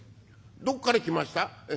どこから来ました？」。